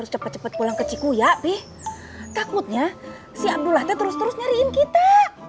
si abdullah terus terus nyariin kita